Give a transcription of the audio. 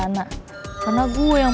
waktunya gue caps